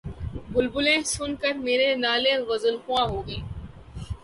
بلبلیں سن کر میرے نالے‘ غزلخواں ہو گئیں